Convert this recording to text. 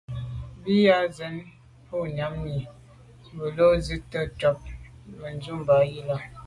Bìn à’ sə̌’ njən mbu’ŋwà’nǐ mì bə̂ bo lô’ nzi’tə ncob Mə̀dʉ̂mbὰ yi lα.